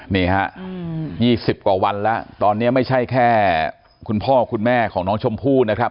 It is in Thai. นี่ฮะ๒๐กว่าวันแล้วตอนนี้ไม่ใช่แค่คุณพ่อคุณแม่ของน้องชมพู่นะครับ